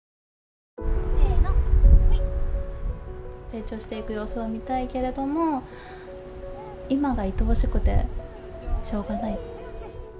成長していく様子を見たいけれども、今がいとおしくてしょうがない。